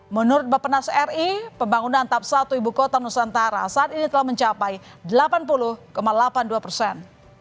menurut bapak nas ri pembangunan tap satu ibu kota nusantara saat ini telah mencapai delapan puluh delapan puluh dua persen